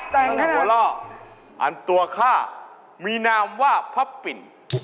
น้องโหล่ออันตัวข้ามีนามว่าพระปิณบุก